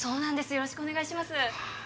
よろしくお願いしますああ